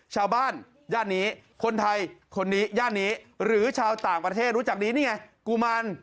ชาวบ้านญาตินี้คนไทยณญาตินี้หรือชาวต่างประเทศรู้จักนี่ไง